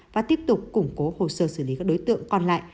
và tiếp tục củng cố hồ sơ xử lý các đối tượng còn lại